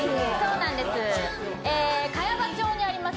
茅場町にあります